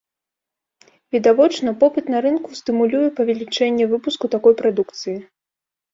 Відавочна, попыт на рынку стымулюе павелічэнне выпуску такой прадукцыі.